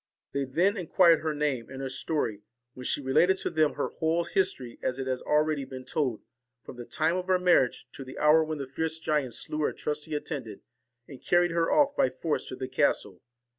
They then inquired her name and her story, when she related to them her whole history, as it has been already told, from the time of her mar riage to the hour when the fierce giant slew her trusty attendant, and carried her off by force to the castle.